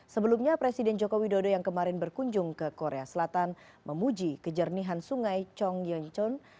sebelumnya presiden jokowi dodo yang kemarin berkunjung ke korea selatan memuji kejernihan sungai chongyeonchon